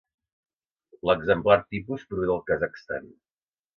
L'exemplar tipus prové del Kazakhstan.